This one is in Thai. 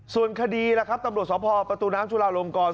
ส่วนคดีล่ะครับตำรวจสพประตูน้ำจุลาลงกร